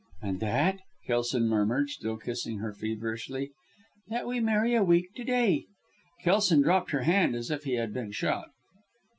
"And that," Kelson murmured, still kissing her feverishly. "That we marry a week to day!" Kelson dropped her hand as if he had been shot.